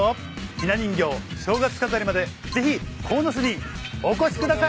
ひな人形正月飾りまでぜひ鴻巣にお越しください。